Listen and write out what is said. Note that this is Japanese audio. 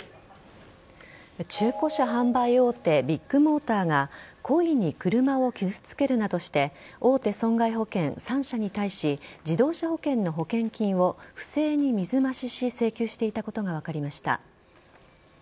中古車販売大手ビッグモーターが故意に車を傷つけるなどして大手損害保険３社に対し自動車保険の保険金を不正に水増しし請求していたことが分かりました。